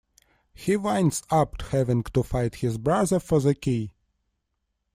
He winds up having to fight his brother for the key.